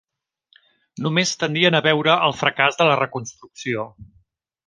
Només tendien a veure el fracàs de la Reconstrucció.